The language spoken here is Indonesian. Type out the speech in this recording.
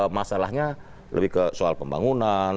masalahnya lebih ke soal pembangunan